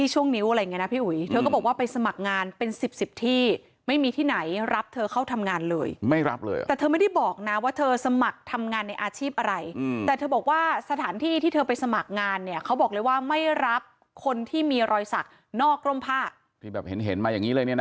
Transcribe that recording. เห็นมาอย่างงี้เลยเนี้ยน่ะนี่ค่ะเธอก็เลย